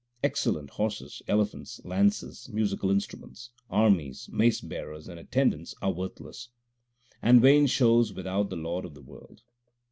Excellent horses, elephants, lances, musical instruments, Armies, mace bearers, and attendants are worthless And vain shows without the Lord of the world.